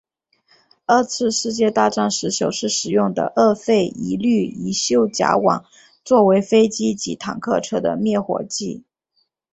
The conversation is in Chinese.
二次世界大战时首次使用二氟一氯一溴甲烷作为飞机及坦克车的灭火剂。